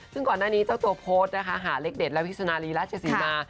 ซึ่งก่อนหน้านี้เจ้าตัวโพสต์นะคะหาเลขเด็ดและพี่สุนารีราชศรีมา